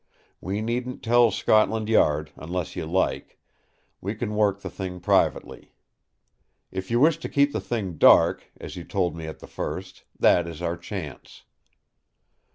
We needn't tell Scotland Yard unless you like; we can work the thing privately. If you wish to keep the thing dark, as you told me at the first, that is our chance."